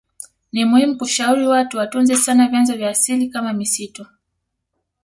Nimuhimu kushauri watu watunze sana vyanzo vya asili kama misitu